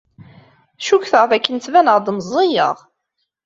Cukkteɣ dakken ttbaneɣ-d meẓẓiyeɣ.